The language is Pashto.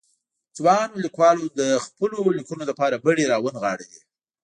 ځوانو ليکوالو د خپلو ليکنو لپاره بډې را ونغاړلې.